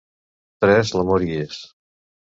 Tres l'amor hi és.